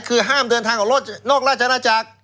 คือห้ามเดินทางออกรถนอกราชนาจักร